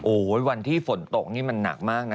โอ้โหวันที่ฝนตกนี่มันหนักมากนะ